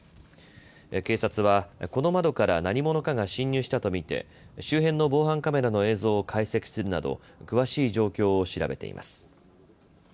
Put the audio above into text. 警察はこの窓から何者かが侵入したと見て周辺の防犯カメラの映像を解析するなど詳しい状況を調べています。